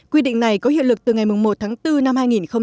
quy định này có hiệu lực từ ngày một tháng bốn năm hai nghìn một mươi chín